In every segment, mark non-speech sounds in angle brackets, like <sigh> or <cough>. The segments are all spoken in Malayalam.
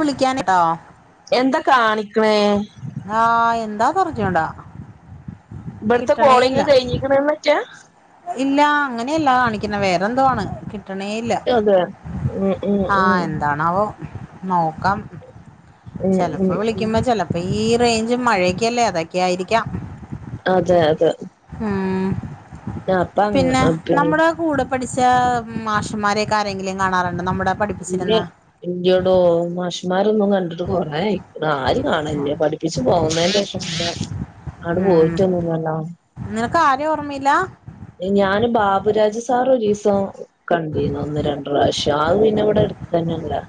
വിളിക്കാനെട്ടോ എന്താ കാണിക്ക്ണേ ആഹ് എന്താന്നറിഞ്ഞൂടാ ഇപ്ട്ത്തെ കോളിങ്ങ് കഴിഞ്ഞിക്ക്ണ്ന്ന് വെച്ചാ ഇല്ല അങ്ങനെയല്ല കാണിക്കുന്നേ വേറെന്തോ ആണ് കിട്ടണേ ഇല്ല അതെ ഉം ഉം ഉം ആഹ് എന്താന്നാവോ നോക്കാം ഉം ഉം ചെലപ്പോ വിളിക്കുമ്പോ ചെലപ്പോ ഈ റേഞ്ച് മഴക്കല്ലേ അതൊക്കെയായിരിക്കാം. അതെ അതെ ഹും അപ്പ അങ്ങ് പിന്നെ നമ്മുടെ കൂടെ പഠിച്ച മാഷമാരെയൊക്കെ ആരെങ്കിലും കാണാറുണ്ടോ നമ്മുടെ ഇല്ലാ പഠിപ്പിച്ചിരുന്ന ഇല്യടോ മാഷ്മാരൊന്നും കണ്ടിട്ട് കൊറേയി ആരിം കാണലില്ല പഠി പൊന്നേന്റെഷം പിന്നെ ഉം നിനക്ക് ആരേം ഓർമ്മയില്ല ഞാന് ബാബുരാജ് സാറെ ഒരീസം കണ്ടിരുന്നു ഒന്ന് രണ്ട് പ്രാവശ്യം അത് അവരിവിടെ അടുത്തെന്നെള്ളതാ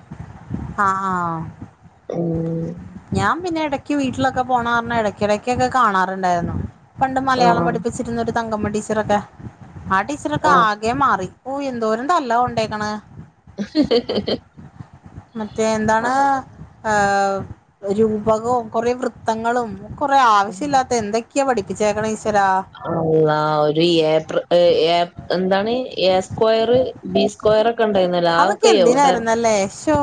ആഹ് ഉം ഞാൻ പിന്നെ ഇടക്ക് വീട്ടിലൊക്കെ പോണ കാരണം എടക്കിടക്കൊക്കെ കാണാറുണ്ടായിരുന്നു. പണ്ട് മലയാളം ആഹ് പഠിപ്പിച്ചിരുന്ന ഒരു തങ്കമ്മ ടീച്ചറൊക്കെ ആ ടീച്ചറൊക്കെ ആ കെ മാറി ഓഹ് എന്തോരം തല്ല കൊണ്ടേക്കണ്. മറ്റേ എന്താണ് ആഹ് ഏഹ് രൂപകവും കൊറേ വൃത്തങ്ങളും കൊറേ ആവശ്യല്ലാത്ത എന്തൊക്കെയാ പഠിപ്പിച്ചേക്കണ് ഈശ്വരാ അള്ളാ ഒരു ഏപ്ര ഏഹ് എന്താണ് എ സ്ക്വയർ ബി സ്ക്വയറൊക്കെണ്ടായിരുന്നല്ലോ അതൊക്കെ എന്തിനായിരുന്നല്ലേ ശോ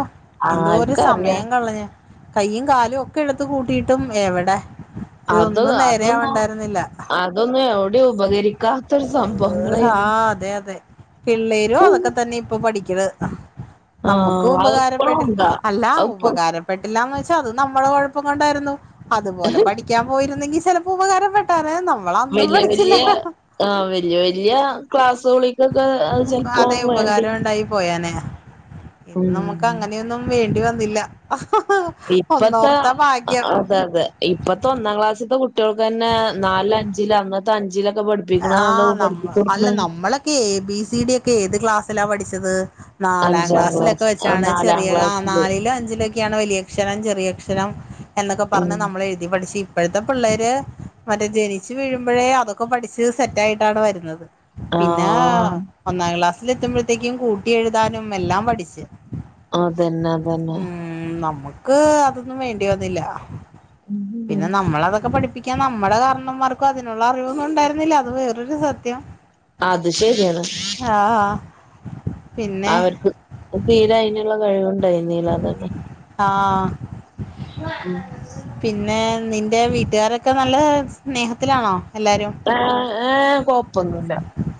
എന്തോരു ആർക്കറിയാ സമയം കളയാ കൈയും കാലും ഒക്കെ എടുത്ത് കൂട്ടിയിട്ടും എവടെ അത് ഇതൊന്നും അതൊന്നും നേരെെയവണ്ടായിരുന്നില്ല. അതൊന്നും എവടീം ഉപകരിക്കാ ഹാ അതെ അതെ പിള്ളേരും അതൊക്കെ തന്നെ ഇപ്പൊ പഠിക്കണത് നമ്മക്ക് ആഹ് അത് ഇപ്പളും ഉപകാരപ്പെടി ഉണ്ടാ അല്ല അത് ഇപ്പളും ഉപകാരം പെട്ടില്ലന്ന് വെച്ചാ അത് നമ്മളെ കൊഴപ്പം കൊണ്ടായിരുന്നു അതുപോലെ പഠിക്കാൻ പോയിരുന്നെങ്കി ചെലപ്പോ ഉപകാരപ്പെ പറയാ നമ്മളന്ന് വല്യ പഠിച്ചില്ല വല്യ ആഹ് വല്യ വല്യ ക്ലാസ്സുകളിക്കൊക്കെ അത് ചിലപ്പോ വേണ്ടി പോയേനെ ഇത് നമുക്ക് ഉം അങ്ങനെയൊന്നും വേണ്ടി വന്നില്ല ഹ ഹ ഹ് ഇപ്പത്തെ ഒന്നോർത്ത ഭാഗ്യം അതെ അതെ ഇപ്പത്തെ ഒന്നാം ക്ലാസ്സിത്തെ കുട്ടികൾക്ക്ന്നെ നാല് അഞ്ചില് അന്ന ത്തഞ്ചിലൊക്കെ പഠിപ്പിക്കണതാണല്ലോ പഠിപ്പിച്ചൊട്ക്ക്ണ് ക്ക് എ ബി സി ഡി ഒക്കെ ഏത് ക്ലാസ്സിലാ പഠിച്ചത് നാലാം അഞ്ചാം ക്ലാസ്സിലൊക്കെ ക്ലാസ് വെച്ചാണ് നാലാം ചെറിയ ആഹ് ക്ലാസ്സില് നാലിലും അഞ്ചിലൊക്കെ ക്കെണ് വലിയ അക്ഷരം ചെറിയ അക്ഷരം എന്നൊക്കെ ഉം പറഞ്ഞ് നമ്മള് എഴുതി പഠിച്ചി ഇപ്പോഴത്തെ പിള്ളേര് മറ്റേ ജനിച്ചു വീഴുമ്പോഴേ അതൊക്കെ പഠിച്ച് സെറ്റായിട്ടാണ് വരുന്നത് പിന്നെ ആഹ് ഒന്നാം ക്ലാസ്സിലെത്തുമ്പോഴത്തേക്കും കൂട്ടി എഴുതാനും എല്ലാം പഠിച്ച് അതന്നെ അതന്നെ ഉം നമ്മക്ക് അതൊന്നും വേണ്ടി വന്നില്ല പിന്നെ നമ്മള് അതൊക്കെ പഠിപ്പി ക്കാ നമ്മളെ കാരണന്മാർക്കും അതിനുള്ള അറിവൊന്നും ഉണ്ടായിരുന്നില്ല അത് വേറൊരു സത്യം അത് ശരിയാണ് ആഹ് ആഹ് പിന്നെ അവർക്ക് തീരെ അയിന്ള്ള കഴിവുണ്ടായിന്നില അതന്നെ ആഹ് ഉം പിന്നേ നിന്റെ വീട്ട്കാരൊക്കെ നല്ല സ്നേഹത്തിലാണോ എല്ലാരും ഏ ഏഹ് കൊപ്പൊന്നുല്ല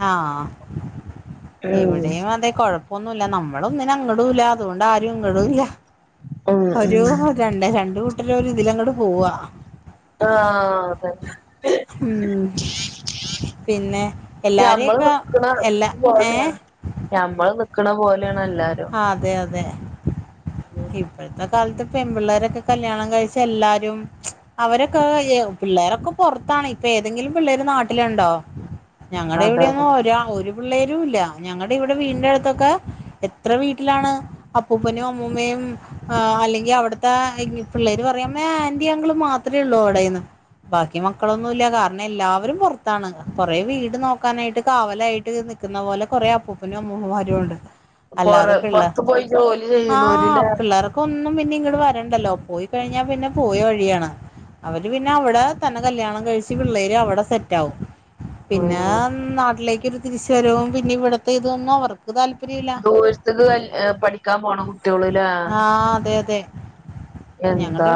ആഹ് ഉം ഇവിടെയും അതെ കൊഴപ്പ ഒന്നൂല്ല നമ്മളൊന്നിനങ്ങടൂല്ല അതുകൊണ്ട് ആരും ഇങ്ങടൂല്ല ഉം ഉം ഒരു രണ്ടെ രണ്ട് കൂട്ടരൊരുതിലങ്ങട് പോവാ ആഹ് അതന്നെ ഉം പിന്നെ ഞമ്മള് എല്ലാരെയൊക്കെ നിക്ക്ണ എല്ലാ പോലെയാണ് ഞമ്മള് നിക്കണ പോലെ ആ അതെ അതെ ഇ ഇപ്പഴത്തെ കാലത്ത് പെൺപിള്ളേരൊക്കെ കല്യാണം കഴിച്ച എല്ലാരും അവരൊക്കെ ഏ പിള്ളേരൊക്കെ പൊറത്താണ് ഇപ്പേതെങ്കിലും പിള്ളേര് നാട്ടില്ണ്ടോ അതെ അതെ ഞങ്ങളെവിടെയൊന്നും ഒരാ ഒരു പിള്ളേരൂല്ല ഞങ്ങടിവിടെ വീടിന്റെ അടുത്തൊക്കെ എത്ര വീട്ടിലാണ് അപ്പൂപ്പനുംഅമ്മൂമ്മയും ആ അല്ലെങ്കി അവ്ടുത്തേ ആ പിള്ളേര് പറയും അമ്മേ ആന്റി അങ്കിളുമാത്രേള്ളൂ അവ്ടെന്ന് ബാക്കി മക്കളൊന്നുല്ല കാരണം എല്ലാവരും പൊറത്താണ് കൊറേ വീട് നോക്കാനായിട്ട് കാവലായിട്ട് നി നിക്കുന്ന പോലെ കൊറെ അപ്പൂപ്പനും അമ്മൂമ്മമാരുണ്ട് പൊറ അല്ലാതെ പിള്ളേർ പൊറത്ത് പോയി ജോലി ആഹ് ചെയ്യണോരില്ലേ പിള്ളേറ ക്കൊന്നും പിന്നെ ഇങ്ങട് വരണ്ടല്ലോ പോയി കഴിഞ്ഞാ പിന്നെ പോയ വഴിയാണ് അവര് പിന്നെ അവിടാ തന്നെ കല്യാണം കഴിച്ച് പിള്ളേര് അവിടെ സെറ്റാവും പിന്നേ ഉം നാട്ടിലേക്ക് ഒരു തിരിച്ച് വരവും പിന്നിവിടത്തെ ഇതൊന്നും അവർക്ക് തല്പ ദൂരത്ത്ക്ക് കല്യ എ പഠിക്കാം പോണ കുട്ട്യോള്ല്ലേ ആ അതെ അതെ ഞങ്ങളി എന്താ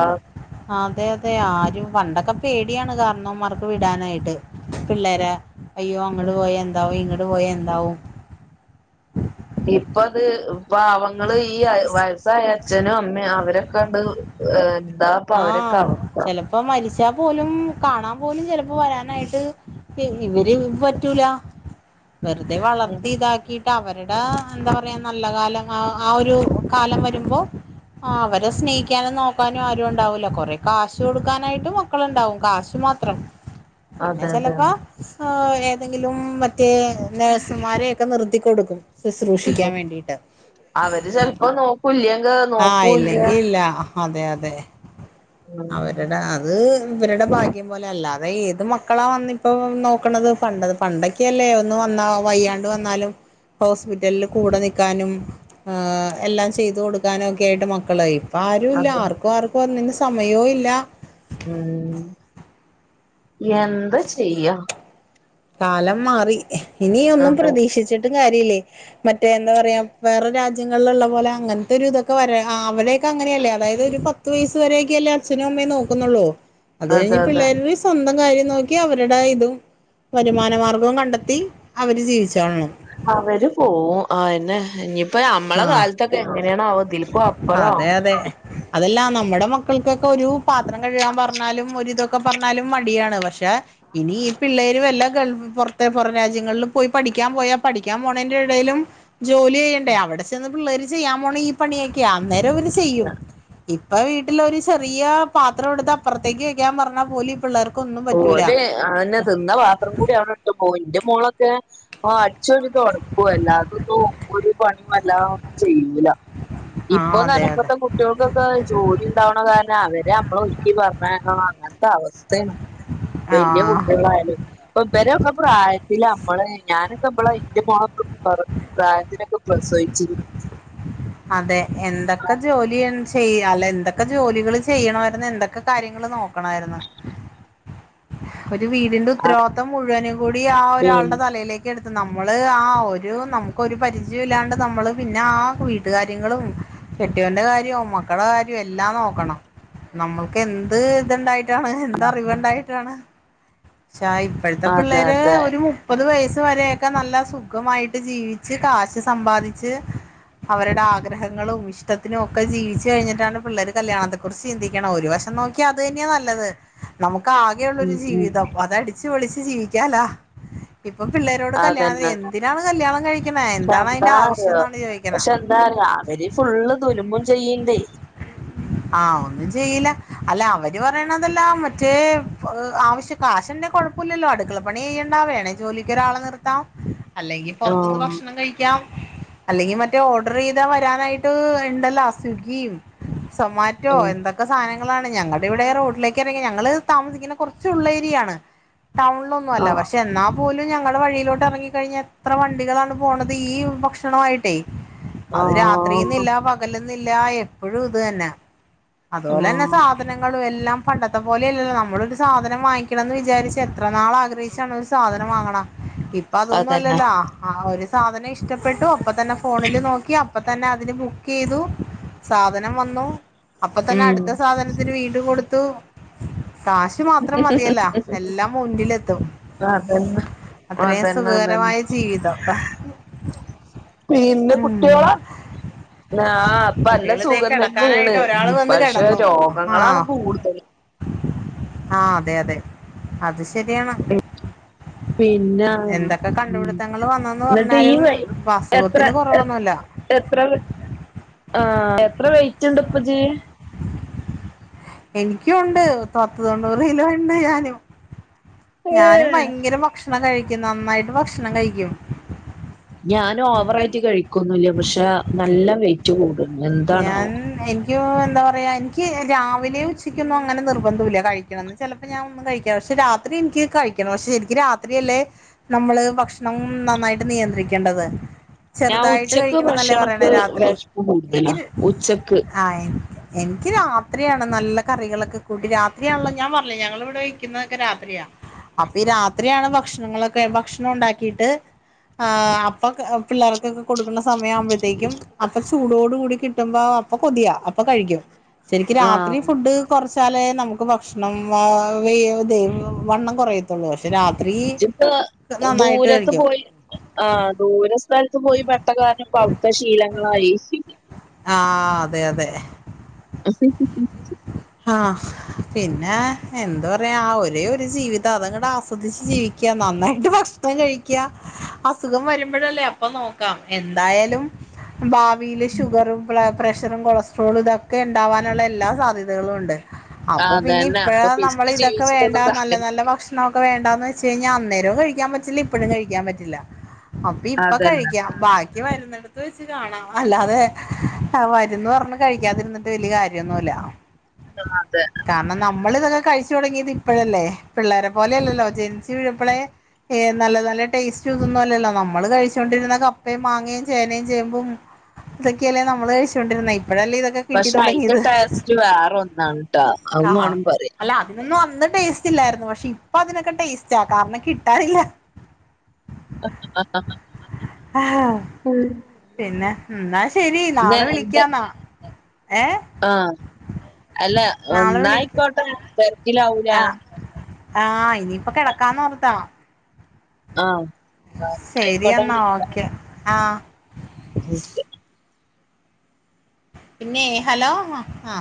ആ അതെ അതെ ആരും പണ്ടൊക്ക പേടിയാണ് കാരണവംമാർക്ക് വിടാനായിട്ട് പിള്ളേരെ അയ്യോ അങ്ങട് പോയന്താവും ഇങ്ങട് പോയ എന്താവും ഇപ്പത് പാവങ്ങള് ഈ അ വയസ്സായ അച്ഛനുമ്മയും അവരൊക്കെണ്ട് എന്താപ്പൊ അവരൊക്കെവസ്ഥ ഇപ്പൊ മരിച്ചാ പോലും കാണാം പോലും ചിലപ്പോ വരാനായിട്ട് ഇവര് ഉം പറ്റൂല വെറ്തെ വളർത്തിതാക്കിട്ട് ക്കവര്ടെ എന്താ പറ്യാ നല്ല കാലം ആ ആ ഒരു കാലം വെരുമ്പോ ആഹ് അവരെ സ്നേഹിക്കാനും നോക്കാനും ആരു ണ്ടാവൂല കൊറെ കാശ് കൊട്ക്കാനായിട്ട് മക്കള്ണ്ടാവും കാശ് മാത്രം പിന്നെ അതെ അതെ ചെലപ്പ സ് ആഹ് ഏതെങ്കിലും മറ്റേ നേഴ്സുമാരെക്കെ നിർത്തിക്കൊടുക്കും. സ്ശ്രൂഷിക്കാൻ വേണ്ടിട്ട് അവര് ചെൽപ്പൊ നോക്കുല്ലങ്ക് ആഹ് ഇല്ലെങ്കില്ല അതെ യതെ ഉം അവരുടെ അ അത് ഇവരുടെ ഭാഗ്യം പോലെ അല്ലാതെ ഏത് മക്കളാ വന്നിപ്പോ നോക്കണത് പണ്ട പണ്ടൊക്ക്യല്ലേ ഒന്ന് വന്നാ വയ്യാണ്ട് വന്നാലും ഹോസ്പിറ്റൽല് കൂടെ നിക്കാനും ഏഹ് എല്ലാം ചെയ്ത് കൊട് ക്കാനൊക്കെയായിട്ടു മക്കളൈ ഇപ്പാരൂല്ല അതെ ആർക്കു ആർക്കൊന്നിനു സമയോല്ല. ഉം എന്താ ചെയ്യാ? കാലം മാറി ഇനിയൊന്നും അതെ പ്രതീക്ഷിച്ചിട്ട് കാര്യല്ലേയ് മറ്റേ എന്താ പറയാ വേറെ രാജ്യങ്ങളില്ള്ള പോലെ അങ്ങൻത്തൊരു ഇതൊക്കെ വരാ ആ അവരേയ്ക്കങ്ങനെയല്ലേ അതായത് ര് പ പത്ത് വയസ് വരെയൊക്കെയഅല്ലേ അച്ഛനും അമ്മേ നോക്കുന്നുള്ളൂ അത് അതെ കഴിഞ്ഞ് അതെ പിള്ളേര് സ്വന്തം കാര്യം നോക്കി അവരുട ഇത് വരുമാനമാർഗ്ഗോം കണ്ടെത്തി അവര് ജീവിച്ചോളണം. അവര് പോവും ആ എന്നെ ഇനിയിപ്പോ അമ്മളെ ആഹ് കാലത്തൊക്കെ എങ്ങനെണാവോ ഇതിൽക്കപ്പോ അതെ യതെ അതല്ല നമ്മടെ മക്കൾക്കൊക്കെരു പാത്രം കഴ്കാൻ പർഞ്ഞാലും ഒരിതൊക്കെ പർഞ്ഞാലും മടിയാണ് പക്ഷെ ഇനി ഈ പിള്ളേര് വല്ല ഗൾഫ് പൊർത്ത് പൊറ രാജ്യങ്ങളില് പോയി പഠിക്കാൻ പോയാ പഠിക്കാൻ പോണൻ്റെടെയിലും ജോലി യ്യെണ്ടേ അവടെ ചെന്ന് പിള്ളേര് ചെയ്യാൻ പോണെ ഈ പണിയൊക്ക്യാ അന്നേരം അവര് ചെയ്യും. ഇപ്പൊ വീട്ടിലൊരു ചെറിയ പാത്രട്ത്ത് അപ്പർത്തേക്ക് വെക്കാൻ പർഞ്ഞാ പോലും പിള്ളാർക്കൊന്നും ഓല് ആന്നെ തിന്ന പാ ത്രം കൂടി അവടെ ട്ട് പോവും ഇന്റെ മോളൊക്കെ ആ അടിച്ചേരി തൊടക്കും അല്ലാതൊന്നും ഒരു പണിം ഉം വല്ലാ ഒന്നും ചെയ്യൂല ആ അതെ ഇപ്പൊന്നർഞ്ഞ അതെ ഇപ്പത്തെ കുട്ട്യെൾക്കൊക്കെ ജോ ലിണ്ടാവണ കാരണം അവരെ അമ്മളൊരുക്കി പറഞ്ഞേക്കണം അങ്ങൻത്തെ അവസ്ഥെണ്. വെല്ല്യെ ആ കുട്ട്യെളായാല് ഇബരൊക്കെ പ്രായത്തില് അമ്മള് ഞാനൊക്കെ ഇബളെ ഇന്റെ മോ <unintelligible> പ്രായത്തിലൊക്കെ പ്രസവിച്ചിനി. അതെ എന്തൊക്കെ ജോലി ചെയ്യാല്ലേ എന്തൊക്കെ ജോലികള് ചെയ്യണമായിര്ന്ന് എന്തൊക്കെ കാര്യങ്ങൾ നോക്കണയിര്ന്ന്. ഒരു വീടിന്റെ ഉത്തരവാദിത്തം മുഴുവനും കൂടി ആ ഒരാളുടെ പിന്നെ തലയിലേ ക്കെട്ത്ത് നമ്മള് ആ ഒരു നമുക്കൊരു പരിചയുല്ലാണ്ട് നമ്മള് പിന്നെ ആ വീട്ട്കാര്യങ്ങളും കെട്ട്യൊന്റെ കാര്യോം മക്കടെ കാര്യോം എല്ലാം നോക്കണം നമ്മൾക്ക് എന്ത് ത്ണ്ടായി ട്ടാണ് എന്തറിവ്ണ്ടായിട്ടാണ് പക്ഷെ ഇപ്പഴ്ത്തെ അതെ പിള്ളേര് അതെ ഒരു മു പ്പത് വയസ് വരെയൊക്കെ നല്ല സുഖമായിട്ട് ജീവിച്ച് കാശ് സമ്പാദിച്ച് അവര്ടെ ആഗ്രഹങ്ങളും ഇഷ്ടത്തിനൊക്കെ ജീവിച്ച് കഴിഞ്ഞിട്ടാണ് പിള്ളേര് കല്യാണത്ത് കുറിച്ച് ചിന്തിക്കണെ ഒരു വശം നോക്ക്യാ അതെന്ന്യാ നല്ലത് നമക്കാകെ ഉം ഉം ജീവിതം അതടിച്ച് പൊളിച്ച് ജീവിക്കാലാ. ഇപ്പൊ പിള്ളേരോട് കല്യാണത്തിന് അതന്നെ എന്തിനാണ് കല്യാണം കഴിക്ക്ണെ പക്ഷെ എന്താണയ്ന്റെ എന്താറിയോ ആവശ്യന്നാണ് ചോയ്ക്ക്ണെ <unintelligible> അവര് ഫുള്ള് ദുല്മും ചെയ്യ്ണ്ടേ ആഹ് ഒന്നും ചെയ്യില്ല അല്ല അവര് പറിണെതെല്ലാം മറ്റേ എഹ് ആവശ്യ കാശ് ണ്ടെ കൊഴപ്പല്ലല്ലോ അട്ക്കളപ്പണി ചെയ്യണ്ട വേണേ ജോലിക്കൊരാളെ നിർത്താം. അല്ലെങ്കി പൊർത്ത്ന്ന് ആഹ് ഭക്ഷണം കഴിക്കാം. അല്ലെങ്കി മറ്റേ ഓർഡറെയ്താ വരാനായിട്ട് ഇണ്ടല്ലോ സ്വിഗ്ഗിം സൊമാറ്റോ ഉം എന്ത ക്കെ സാധനങ്ങളാണ് ഞങ്ങടെ ഇവിടെ റോഡിലേക്ക് ഇറങ്ങിയാ ഞങ്ങൾ താമസിക്കുന്നത് കുറച്ച് ഉള്ളേരിയാണ് ടൗണിലൊന്നും അല്ല ആഹ് പക്ഷെ എന്നാ പോലും ഞങ്ങളുടെ വഴിയിലോട്ട് ഇറങ്ങി കഴിഞ്ഞ എത്ര വണ്ടികളാണ് പോണത് ഈ ഭക്ഷണവായിട്ടേ അത് ആഹ് രാത്രിന്നില്ല പകലന്നില്ല എപ്പോഴു ഇത് തന്നെ. അതുപോലെന്നെ ആഹ് സാധ ഞങ്ങളും എല്ലാം പണ്ടത്തെ പോലെല്ലല്ലോ നമ്മളൊരു സാധനം വാങ്ങിക്കണം എന്ന് വിചാരിച്ച എത്ര നാൾ ആഗ്രഹിച്ചാണ് സാധനം വാങ്ങണം ഇപ്പ അതൊന്നും അതന്നെ അല്ലല്ലാ. ആ ഒരു സാധനം ഇഷ്ടപ്പെട്ടു അപ്പത്തന്നെ ഫോണില് നോക്കി അപ്പതന്നെ അതിന് ബുക്കയ്തു സാധനം വന്നു അപ്പൊ തന്നെ ഉം അട്ത്തെ സാധൻത്തിന് വീണ്ടും കൊടുത്തു. കാശ് മാത്രം മതിയല്ല എല്ലാം മുന്നിലെത്തും അതന്നെ അത്രയും അതന്നെ അതന്നെ സുഖകരമായ ജീവിതപ്പ പിന്നെ ഉം കുട്ടിയോളാ ആഹ് ഇപ്പ നല്ല കുട്ടികളി തെ സുഖം തന്നെയാണ് കിടക്കാനായിട്ടോ ഓരോ ഒരാള് വന്ന് പക്ഷെ കിടന്നു രോഗങ്ങളാണ് ആഹ്‌ കൂടുതൽ ആഹ അതെ അതെ അത് ശരിയാണ് ഉം. പിന്നെ ഉം എന്തൊക്കെ കണ്ടുപിടുത്തങ്ങൾ വന്നെന്ന് എന്നിട്ട് ഈ പറഞ്ഞാലും വ എത്ര അസുഖത്തിന് ഏ കുറവൊന്നുമില്ല എത്ര ആ എത്ര വെയിറ്റ് ഉണ്ട് ഇപ്പ ഇജ്ജ് എനിക്കുണ്ട് തൊത്ത് തൊണ്ണൂറ് കിലോ ഇണ്ട് ഞാനും ഞാനും ഏഹ് ഭയങ്കര ഭക്ഷണം കഴിക്കു നന്നായിട്ട് ഭക്ഷണം കഴിക്കും ഞാൻ ഓവറായിട്ട് കഴിക്കൊന്നുല്ല പക്ഷെ നല്ല വെയിറ്റ് കൂടും ഞാൻ എന്താണാവോ എ യോ എനിക്ക് എന്താ പറയാ എനിക്ക് രാവിലെയു ഉച്ചയ്ക്കൊന്നും അങ്ങനെ നിർബന്ധല്ല കഴിക്കണന്ന് ചില ഞാൻ ഒന്ന് കഴിക്ക പക്ഷെ രാത്രി എനിക്ക് കഴിക്കണം പക്ഷെ ശെരിക്ക് രാത്രിയല്ലേ നമ്മള് ഭക്ഷണം നന്നായിട്ട് നിയന്ത്രിക്കേണ്ടത് ഞാൻ ചെറുതായിട്ട് ഉച്ചക്ക് കഴിക്കണന്നല്ലേ പറയണേ ഭക്ഷണക്ക് രാത്രി വിശപ്പ് എനിക്ക് കൂടുതലാ എ ഉച്ചക്ക് ആ എനിക്ക് രാത്രിയാണ് നല്ല കറികളൊക്കെ കൂട്ടി രാത്രിയാണല്ലോ ഞാൻ പറഞ്ഞില്ലേ ഞങ്ങള് ഇവിടെ വെയിക്കുന്നതൊക്കെ രാത്രിയാ. അപ്പൊ ഈ രാത്രിയാണ് ഭക്ഷണങ്ങളൊക്കെ ഭക്ഷണം ഉണ്ടാക്കിട്ട് ആഹ് അപ്പൊ പിള്ളേർക്കൊക്കെ കൊടുക്കുന്ന സമയ ആവുമ്പോഴ്ത്തേക്കും അപ്പ ചൂടോടു കൂടി കിട്ടുമ്പോ അപ്പൊ കൊതിയ അപ്പൊ കഴിക്കും ശരിക്ക് രാത്രി ആഹ് ഫുഡ് കുറച്ച് കാലേ നമുക്ക് ഭക്ഷണം ഇത് താ വേ വണ്ണം കുറയത്തുള്ളൂ ഭഷ് ത് രാത്രി ജ്ജ് ഇപ്പ നന്നായിട്ട് ദൂരത്ത് കഴിക്കും പോയി. ആ ദൂരെ സ്ഥലത്ത് പോയി പട്ട കാരണം ഇപ്പൊ അവിടുത്തെ ശീലങ്ങളായി. ആഹ് അതെ അതെ. <unintelligible> ആഹ് പിന്നെ എന്ത്‌ പറയാ ആ ഒരേ ഒരു ജീവിതം അതങ്ങട്ട് ആസ്വദിച്ച് ജീവി ക്കാ നന്നായിട്ട് ഭക്ഷണം കഴിക്ക്യ അസുഖം വരുമ്പൊഴല്ലേ അപ്പൊ നോക്കാം എന്തായാലും ഭാവിൽ ഷുഗറും പ്ലെ പ്രഷറും കൊളസ്ട്രോളും ഇതൊക്കെ ഇണ്ടാാവാനുള്ള എല്ലാ സാധ്യതകളുണ്ട്. അപ്പൊ പിന്നെ അതന്നെ അപ്പൊ ഇപ്പഴാ നമ്മൾ പിസ്കി ഇതൊക്കെ വേണ്ട ജീവിച്ചിട്ടൊന്നും നല്ല നല്ല കാര്യല്ല ഭക്ഷ നോക്കെ വേണ്ടന്ന് വെച്ച് കഴിഞ്ഞാ അന്നേരവും കഴിക്കാൻ പറ്റില്ല ഇപ്പഴും കഴിക്കാൻ പറ്റില്ല അപ്പി ഇപ്പൊ അതന്നെ കഴിക്കാം ബാക്കി വരുന്നടു വെച്ച് കാണാം അല്ലാതെ വരുന്ന് പറഞ്ഞു കഴിക്കാതിരുന്നിട്ട് വല്യ കാര്യമൊന്നുല്ല. അതെ കാന്നം നമ്മൾ ഇതൊക്കെ കഴിച്ച് തുടങ്ങിയത് ഇപ്പോഴല്ലേ പിള്ളേരെ പോലെല്ലല്ലോ ജൻസിപ്പളെ ഏ നല്ല നല്ല ടേസ്റ്റ് ഇതൊന്നു അല്ലല്ലോ നമ്മള് കഴിച് കഴിച്ചൊണ്ടിരുന്ന കപ്പയും മാങ്ങേയും ചേനയും ചേമ്പും ഇതൊക്കെയല്ലേ നമ്മള് കഴിച്ചുകൊണ്ടിരുന്നെ ഇപ്പോഴല്ലേ ഇതൊക്കെ കിട്ടി പശേ അയിന്റെ തുടങ്ങിയത് ടേസ്റ്റ് വേറെ ഒന്നാണ് ട്ടാ അത് വാണം പറയാൻ. ഇതിനൊന്നും അന്ന് ടേസ്റ്റ് ഇല്ലായിരുന്നു പക്ഷെ ഇപ്പൊ അതിനൊക്കെ ടേസ്റ്റ കാരണം കിട്ടാനില്ല. ആ ആ ആ ആ ആഹ് പിന്നെ എന്നാ ശരി ഇന്ന് നാളെ എന്ത് വിളിക്കാ ന്നാ. ഏഹ് ആഹ് അല്ല എന്നായിക്കോട്ടെ തീര്ക്കിലാവൂലെ? ആഹ് ഇനിയിപ്പൊ കിടക്കാന്നോർത്ത. ആഹ്. എന്നാ ആയിക്കോട്ടെ ശരിയെന്നാ വിളിക്കാം ഓക്കെ ആഹ്. ഓക്കെ. പിന്നെ ഹലോ ആഹ്.